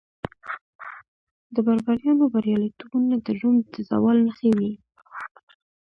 د بربریانو بریالیتوبونه د روم د زوال نښې وې